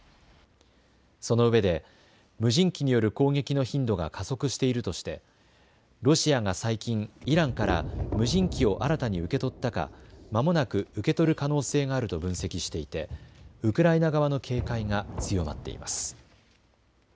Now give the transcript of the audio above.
そのうえで無人機による攻撃の頻度が加速しているとしてロシアが最近イランから無人機を新たに受け取ったかまもなく受け取る可能性があると分析していて、ウクライナ側の警戒が強まっています。